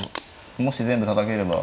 もし全部たたければ。